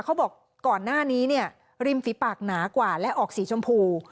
บอกก่อนหน้านี้เนี่ยริมฝีปากหนากว่าและออกสีชมพู